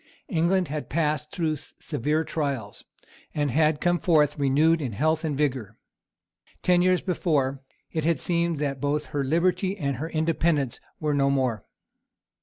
England had passed through severe trials, and had come forth renewed in health and vigour. Ten years before, it had seemed that both her liberty and her independence were no more.